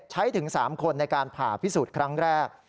ถึง๓คนในการผ่าพิสูจน์ครั้งแรก